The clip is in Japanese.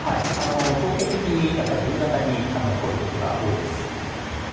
統計的に夕方に起こることが多いです。